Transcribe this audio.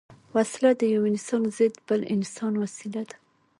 وسله د یو انسان ضد بل انسان وسيله ده